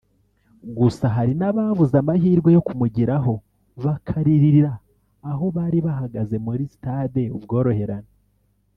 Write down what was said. gusa hari n’ababuze amahirwe yo kumugeraho bakaririra aho bari bahagaze muri Stade Ubworoherane